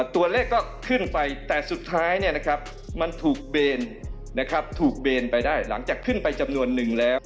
ตัวเลขก็ขึ้นไปแต่สุดท้ายมันถูกเบนถูกเบนไปได้หลังจากขึ้นไปจำนวนนึงแล้ว